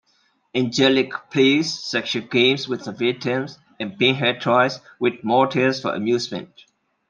Angelique plays sexual games with her victims, and Pinhead toys with mortals for amusement.